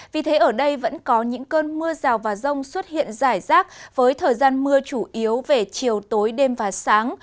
vì thế ở đây vẫn có những cơn mưa rào và rông xuất hiện rải rác với thời gian mưa chủ yếu về chiều tối đêm và sáng